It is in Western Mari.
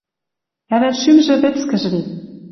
Ӓвӓн шӱмжӹ вӹцкӹж вет.